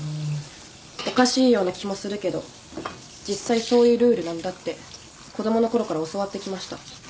おかしいような気もするけど実際そういうルールなんだって子供のころから教わってきました。